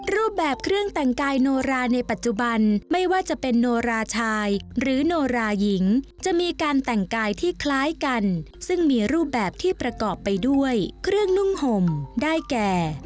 รูปแบบเครื่องแต่งกายโนราในปัจจุบันไม่ว่าจะเป็นโนราชายหรือโนราหญิงจะมีการแต่งกายที่คล้ายกันซึ่งมีรูปแบบที่ประกอบไปด้วยเครื่องนุ่งห่มได้แก่